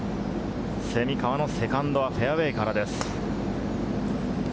蝉川のセカンドはフェアウエーからです。